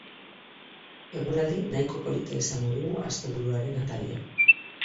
Eguraldi nahiko polita izango dugu asteburuaren atarian.